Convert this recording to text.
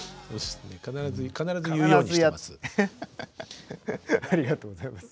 必ず必ず言うようにしてます。